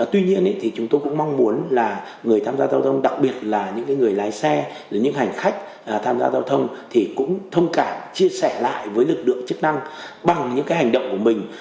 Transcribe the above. tuy nhiên thì chúng tôi cũng mong muốn là người tham gia giao thông đặc biệt là những người lái xe những hành khách tham gia giao thông thì cũng thông cảm chia sẻ lại với lực lượng chức năng bằng những cái hành động của mình